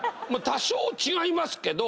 多少違いますけど。